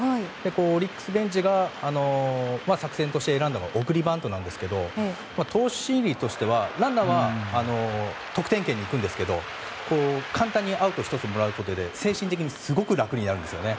オリックスベンチが作戦として選んだのは送りバントなんですが投手心理としてはランナーは得点圏に行くんですが簡単にアウトを１つもらうことで精神的にすごく楽になるんです。